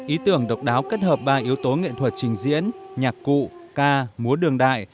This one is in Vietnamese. ý tưởng độc đáo kết hợp ba yếu tố nghệ thuật trình diễn nhạc cụ ca múa đường đại